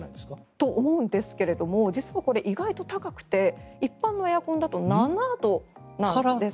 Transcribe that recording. と、思うんですがこれ実は意外と高くて一般のエアコンだと７度なんです。